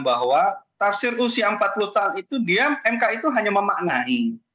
pada saat itu dikutip ujian empat puluh tahun itu dia mk itu hanya memaknai